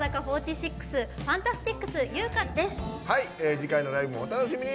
次回のライブもお楽しみに。